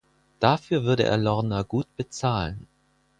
Dafür würde er Lorna gut bezahlen.